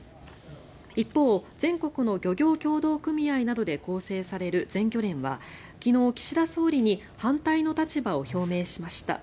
一方、全国の漁業協同組合などで構成される全漁連は昨日、岸田総理に反対の立場を表明しました。